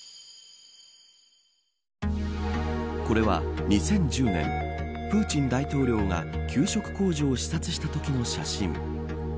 これは２０１０年プーチン大統領が給食工場を視察したときの写真。